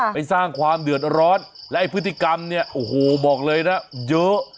ไปสร้างความเดือดร้อนและพฤติกรรมเนี่ยโอ้โหบอกเลยนะเยอะ